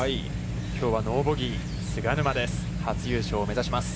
きょうはノーボギー、菅沼です。